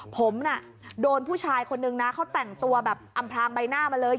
ผมน่ะโดนผู้ชายคนนึงนะเขาแต่งตัวแบบอำพลางใบหน้ามาเลย